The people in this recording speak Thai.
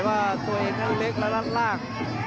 ผ่านไหวตัวเองเล็กละรั่ง